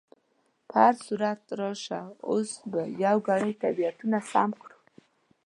په هر صورت، راشه اوس به یو ګړی طبیعتونه سم کړو.